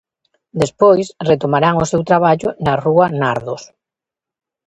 Despois, retomarán o seu traballo na rúa nardos.